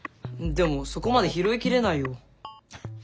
でもそこまで拾いきれないよ。